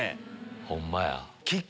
ホンマや。